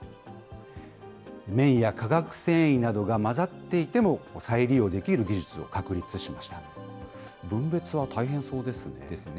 綿や化学繊維などが混ざっていても再利用できる技術を確立しまし分別は大変そうですね。